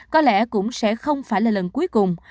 có lẽ cũng sẽ không phải là lần cuối cùng